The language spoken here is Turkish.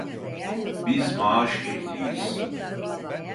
Biz maaş ehliyiz…